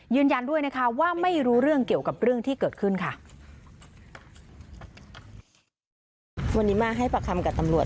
ยืนยันด้วยนะคะว่าไม่รู้เรื่องเกี่ยวกับเรื่องที่เกิดขึ้นค่ะ